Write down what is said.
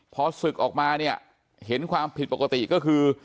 พอศึกออกมาเนี่ยเห็นความผิดปกติก็คือ